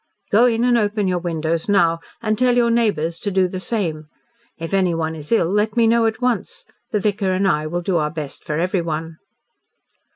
"Go in and open your windows now, and tell your neighbours to do the same. If anyone is ill let me know at once. The vicar and I will do our best for everyone."